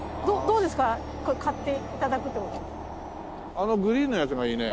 あのグリーンのやつがいいね。